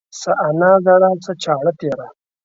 څه انا زړه ، څه چاړه تيره.